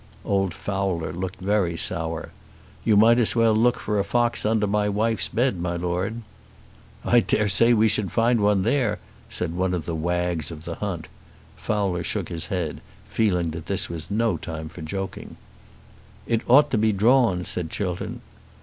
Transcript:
Old Fowler looked very sour. "You might as well look for a fox under my wife's bed, my Lord." "I dare say we should find one there," said one of the wags of the hunt. Fowler shook his head, feeling that this was no time for joking. "It ought to be drawn," said Chiltern.